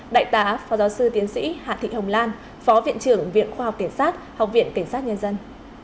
đại tá phó giáo sư tiến sĩ hạ thị hồng lan phó viện trưởng viện khoa học tiến sát học viện cảnh sát nhân dân